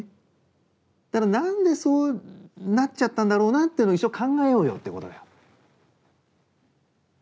ただなんでそうなっちゃったんだろうなっていうのを一緒に考えようよってことだよ。